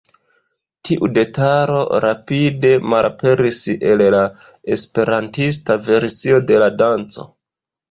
Tiu detalo rapide malaperis el la esperantista versio de la danco.